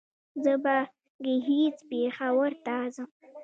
زه به ګهيځ پېښور ته ځم